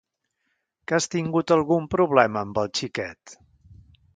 Que has tingut algun problema amb el xiquet?